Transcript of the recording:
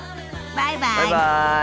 バイバイ。